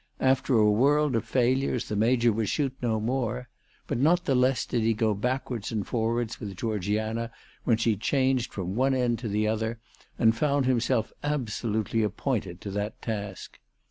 After a world of failures the Major would shoot no more, but not the less did he go backwards and for wards with Georgiana when she changed from one end to the other, and found himself absolutely appointed to that task.